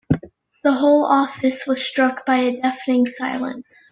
The whole office was struck by a deafening silence.